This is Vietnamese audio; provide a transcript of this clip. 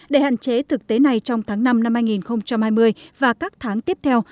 để hạn chế thực tế này trong tháng năm năm hai nghìn hai mươi và các tháng tiếp theo